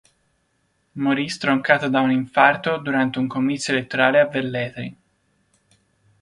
Morì stroncato da un infarto durante un comizio elettorale a Velletri.